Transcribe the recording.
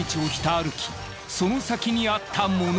歩きその先にあったもの。